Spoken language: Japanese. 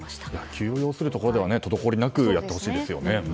急を要するところでは滞りなくやってほしいですね。